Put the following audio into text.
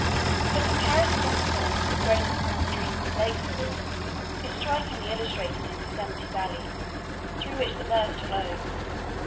The comparative influence of great and small streams as lake fillers is strikingly illustrated in Yosemite Valley, through which the Merced flows.